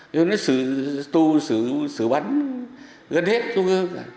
rồi nó tù sử bắn gân hết trung ương